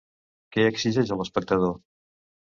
Què exigeix a l'espectador?